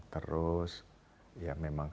terus ya memang